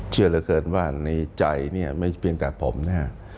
เชื่อเหลือเกินว่าในใจไม่เป็นแต่ผมนะครับ